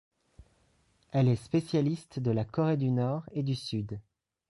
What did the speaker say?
Elle est spécialiste de la Corée du Nord et du Sud.